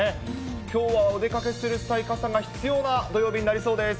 きょうはお出かけする際、傘が必要な土曜日になりそうです。